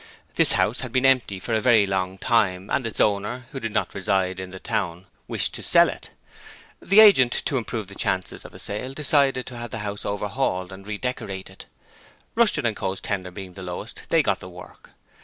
This house had been empty for a very long time, and its owner who did not reside in the town wished to sell it. The agent, to improve the chances of a sale, decided to have the house overhauled and redecorated. Rushton & Co.'s tender being the lowest, they got the work.